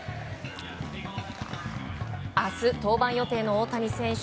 明日、登板予定の大谷投手